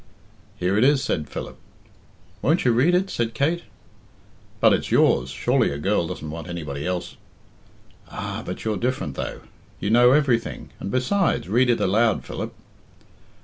"Here it is," said Philip. "Won't you read it?" said Kate. "But it's yours; surely a girl doesn't want anybody else " "Ah! but you're different, though; you know everything and besides read it aloud, Philip."